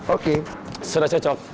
oke sudah cocok